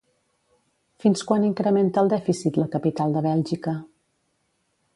Fins quan incrementa el dèficit la capital de Bèlgica?